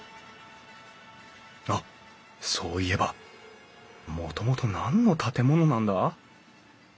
あっそういえばもともと何の建物なんだ？